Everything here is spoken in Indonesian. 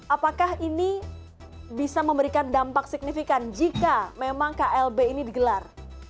apakah ini bisa memberikan dampak signifikan jika memang klb ini digelar